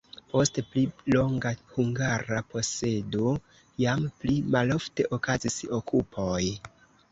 Post pli longa hungara posedo jam pli malofte okazis okupoj.